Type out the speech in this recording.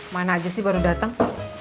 mana aja sih baru datang